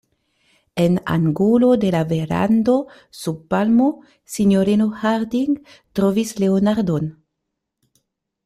En angulo de la verando, sub palmo, sinjorino Harding trovis Leonardon.